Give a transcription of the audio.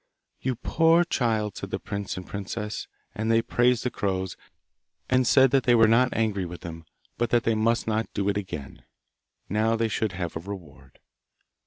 'You poor child!' said the prince and princess, and they praised the crows, and said that they were not angry with them, but that they must not do it again. Now they should have a reward.